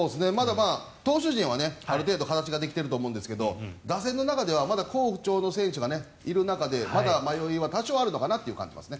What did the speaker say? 投手陣はある程度形ができていると思うんですが打線の中ではまだ好調、不調の選手がいる中でまだ迷いは多少あるのかなと。